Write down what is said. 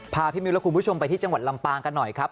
พาพี่มิวและคุณผู้ชมไปที่จังหวัดลำปางกันหน่อยครับ